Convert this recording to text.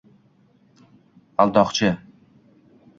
-Aldoqchi.